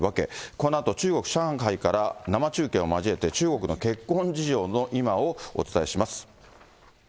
このあと中国・上海から生中継を交えて、中国の結婚事情の今をお伝えします。